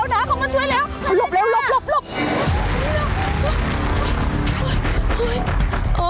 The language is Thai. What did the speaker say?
พี่เชิญไม่ภายหลับอย่าเป็นอะไรนะ